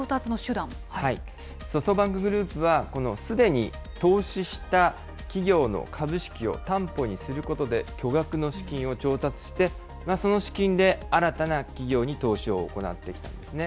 ソフトバンクグループは、このすでに投資した企業の株式を担保にすることで、巨額の資金を調達して、その資金で新たな企業に投資を行ってきたんですね。